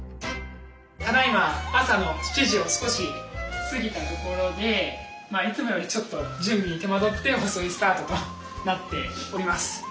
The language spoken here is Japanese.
ただいま朝の７時を少し過ぎたところでいつもよりちょっと準備に手間取って遅いスタートとなっております。